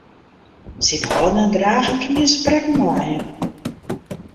Syn hâlden en dragen kin gjin sprekken lije.